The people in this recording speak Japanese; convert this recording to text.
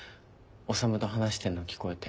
修と話してんの聞こえて。